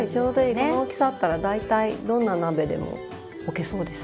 この大きさあったら大体どんな鍋でも置けそうです。